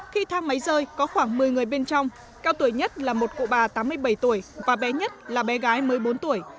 khi thang máy rơi có khoảng một mươi người bên trong cao tuổi nhất là một cụ bà tám mươi bảy tuổi và bé nhất là bé gái một mươi bốn tuổi